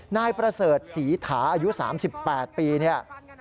นายประเสริฐสีถาอายุ๓๘ปี